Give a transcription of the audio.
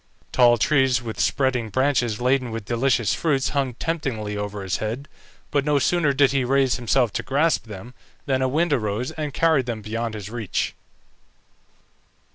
Tall trees, with spreading branches laden with delicious fruits, hung temptingly over his head; but no sooner did he raise himself to grasp them, than a wind arose, and carried them beyond his reach.